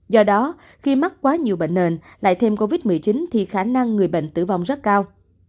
do đó khi mắc quá nhiều bệnh nền lại thêm covid một mươi chín thì khả năng người bệnh tử vong rất cao